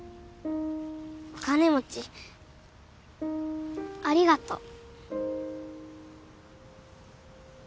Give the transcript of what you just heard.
お金持ちありがとう。